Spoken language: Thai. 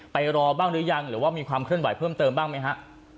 รอบ้างหรือยังหรือว่ามีความเคลื่อนไหวเพิ่มเติมบ้างไหมฮะ